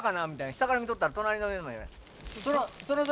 下から見とったら隣の枝やと。